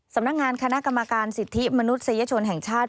สำนักงานคณะกรรมการสิทธิมนุษยชนแห่งชาติ